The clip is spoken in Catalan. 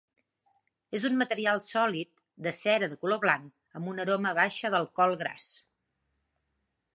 És un material sòlid de cera de color blanc amb una aroma baixa d'alcohol gras.